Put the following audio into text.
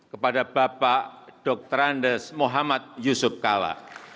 kepada bapak dr andes muhammad yusuf kala